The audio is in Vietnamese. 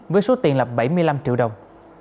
với số tiền lập bảy mươi năm triệu đồng